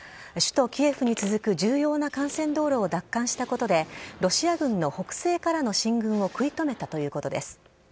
首都キエフに続く、重要な幹線道路を奪還したことで、ロシア軍の北西からの進軍を食い止めたということです。